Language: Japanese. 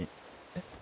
えっ。